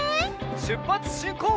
しゅっぱつしんこう！